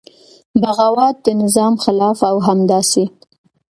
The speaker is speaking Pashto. بغاوت د نظام خلاف او همداسې